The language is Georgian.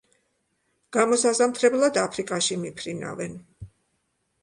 გამოსაზამთრებლად აფრიკაში მიფრინავენ.